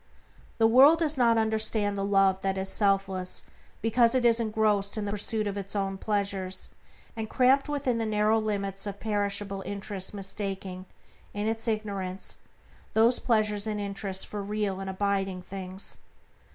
The world does not understand the Love that is selfless because it is engrossed in the pursuit of its own pleasures, and cramped within the narrow limits of perishable interests mistaking, in its ignorance, those pleasures and interests for real and abiding things.